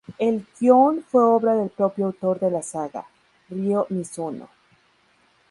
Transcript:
El guion fue obra del propio autor de la saga, Ryō Mizuno.